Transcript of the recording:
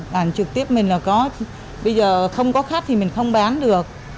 làm trực tiếp mình là có bây giờ không có khách thì mình không bán được